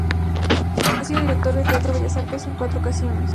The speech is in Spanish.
Ha sido Director del Teatro Bellas Artes en cuatro ocasiones.